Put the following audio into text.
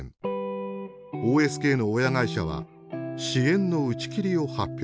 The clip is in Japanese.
ＯＳＫの親会社は支援の打ち切りを発表します。